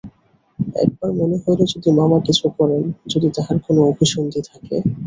একবার মনে হইল যদি মামা কিছু করেন, যদি তাঁহার কোনো অভিসন্ধি থাকে?